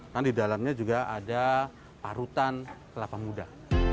kan di dalamnya juga ada parutan kelapa muda